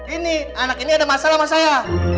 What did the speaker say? ini anak ini ada masalah sama saya